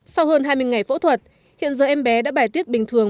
sau hơn hai mươi ngày phẫu thuật hiện giờ em bé đã bài tiết bình thường